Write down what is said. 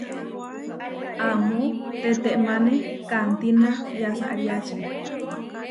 Amó tetémane kantína yasariáči.